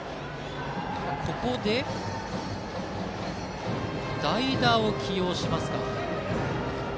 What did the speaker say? ここで代打を起用しますか。